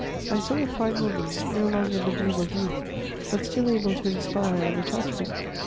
I saw a fine woman, no longer in the bloom of youth, bu still able to inspire an attachment.